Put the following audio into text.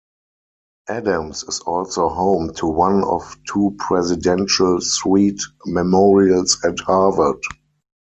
Adams is also home to one of two Presidential Suite Memorials at Harvard.